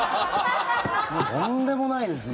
とんでもないですよ。